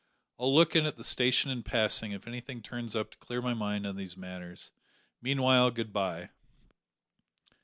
I'll look in at the station in passing if anything turns up to clear my mind on these matters; meanwhile good bye."